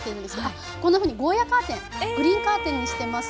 こんなふうにゴーヤーカーテングリーンカーテンにしてます。